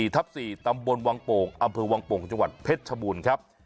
ทับ๔ตำบลวังโป่งอำเภอวังโป่งจังหวัดเพชรชบูรณ์ครับ